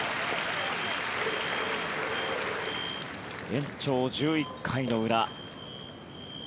延長１１回の裏。